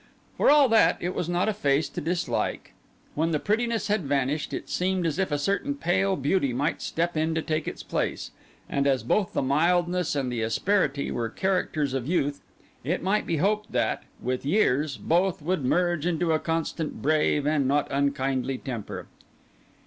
For all that, it was not a face to dislike; when the prettiness had vanished, it seemed as if a certain pale beauty might step in to take its place; and as both the mildness and the asperity were characters of youth, it might be hoped that, with years, both would merge into a constant, brave, and not unkindly temper.